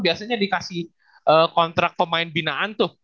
biasanya dikasih kontrak pemain binaan tuh